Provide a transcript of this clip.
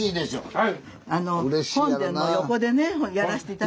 はい。